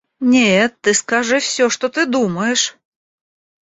Нет, ты скажи всё, что ты думаешь!